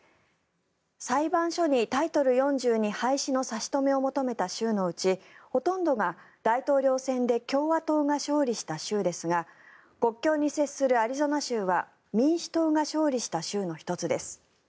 裁判所にタイトル４２廃止の差し止めを求めた州のうちほとんどが大統領選で共和党が勝利した州ですが国境に接するアリゾナ州は民主党が勝利した州の１つです。